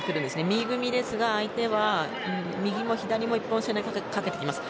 右組みですが相手は右も左もかけてきます。